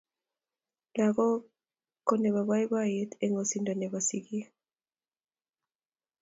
langok ko nebo baibaiet eng osindo nebo singik